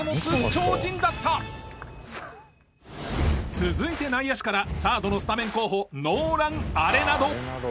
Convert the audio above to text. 続いて内野手からサードのスタメン候補ノーラン・アレナド。